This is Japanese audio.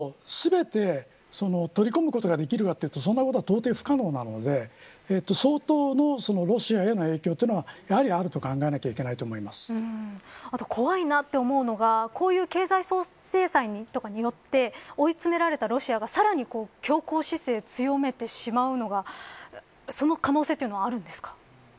ただ、インドとか中国がＥＵの原油量を全て取り込むことができるかというとそんなことは到底、不可能なので相当のロシアへの影響というのがやはりあると考えなければ怖いなと思うのがこういう経済制裁によって追い詰められたロシアが、さらに強硬姿勢を強めてしまうその可能性というのはあるんですか。